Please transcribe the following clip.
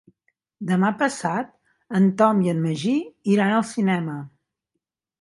Demà passat en Tom i en Magí iran al cinema.